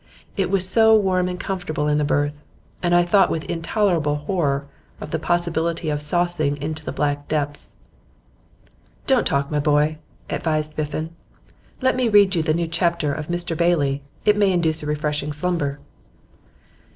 It was so warm and comfortable in the berth, and I thought with intolerable horror of the possibility of sousing into the black depths.' 'Don't talk, my boy,' advised Biffen. 'Let me read you the new chapter of "Mr Bailey." It may induce a refreshing slumber.